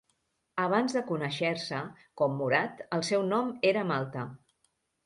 Abans de conèixer-se com Morat, el seu nom era Malta.